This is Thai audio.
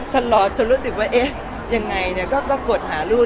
ตลอดจนรู้สึกว่าเอ๊ะยังไงก็กดหาลูก